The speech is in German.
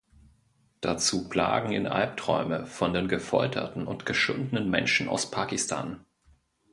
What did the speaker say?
Dazu plagen ihn Alpträume von den gefolterten und geschundenen Menschen aus Pakistan.